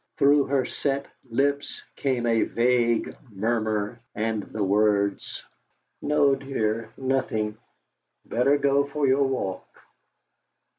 Through her set lips came a vague murmur, and the words: "No, dear, nothing. Better go for your walk."